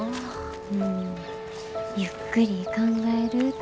うんゆっくり考えるって。